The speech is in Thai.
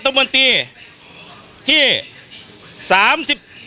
สวัสดีครับ